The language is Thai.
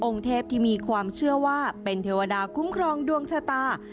เทพที่มีความเชื่อว่าเป็นเทวดาคุ้มครองดวงชะตา